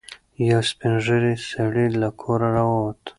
یو سپین ږیری سړی له کوره راووت.